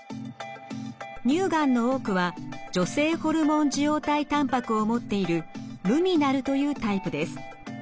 乳がんの多くは女性ホルモン受容体たんぱくを持っているルミナルというタイプです。